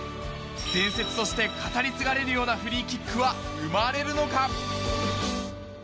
伝説として語り継がれるようなフリーキックは生まれるのか？